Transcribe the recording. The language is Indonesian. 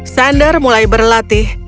sander mulai berlatih